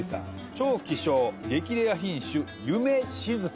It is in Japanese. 超希少激レア品種夢しずく。